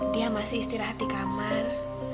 dia masih istirahat di kamar